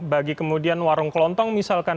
bagi kemudian warung kelontong misalkan